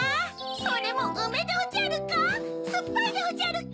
それもうめでおじゃるか？